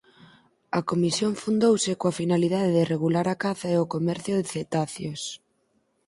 A Comisión fundouse coa finalidade de regular a caza e o comercio de cetáceos.